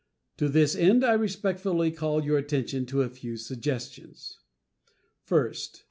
To this end I respectfully call your attention to a few suggestions: First.